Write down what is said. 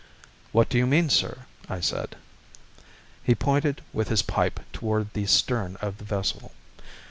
"What do you mean, sir?" I said. He pointed with his pipe toward the stern of the vessel.